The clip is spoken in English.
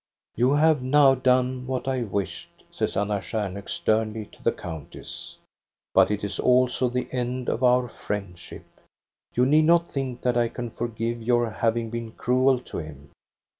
" You have now done what I wished, *' says Anna Stjarnhok sternly to the countess; "but it is also the end of our friendship. You need not think that I can forgive your having been cruel to him.